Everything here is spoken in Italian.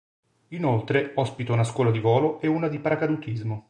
Inoltre ospita una scuola di volo e una di paracadutismo.